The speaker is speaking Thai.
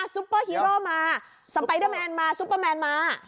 ซุปเปอร์ฮีโร่มาสไปเดอร์แมนมาซุปเปอร์แมนมา